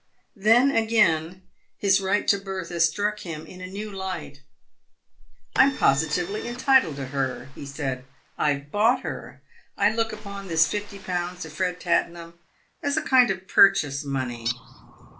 Then, again, his right to Bertha struck him in a new light. " I'm positively entitled to her," he said. " I've bought her. I look upon this fifty pounds to Fred Tattenham as a kind of purchase money.